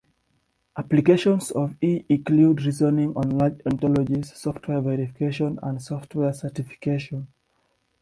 Applications of E include reasoning on large ontologies, software verification, and software certification.